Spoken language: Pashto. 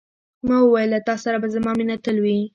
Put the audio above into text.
ما وویل، له تا سره به زما مینه تل وي.